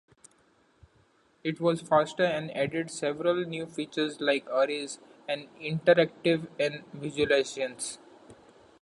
It was faster and added several new features like arrays and interactivity in visualizations.